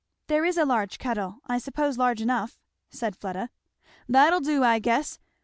"There is a large kettle I suppose large enough," said Fleda. "That'll do, I guess.